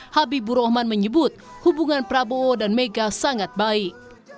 habibur rahman menyebut hubungan prabowo dan mega sangat baik